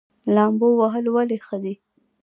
لامبو وهل ولې ښه دي؟